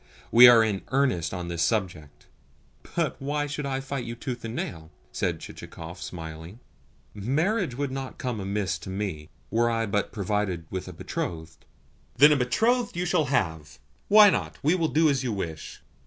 We are in earnest on this subject." "But why should I fight you tooth and nail?" said Chichikov, smiling. "Marriage would not come amiss to me, were I but provided with a betrothed." "Then a betrothed you shall have. Why not? We will do as you wish."